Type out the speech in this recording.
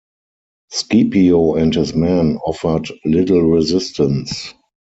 Scipio and his men offered little resistance.